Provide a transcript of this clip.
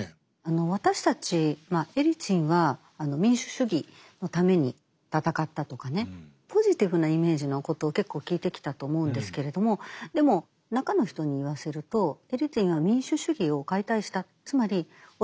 私たちエリツィンは民主主義のために戦ったとかねポジティブなイメージのことを結構聞いてきたと思うんですけれどもでも中の人に言わせると初めから。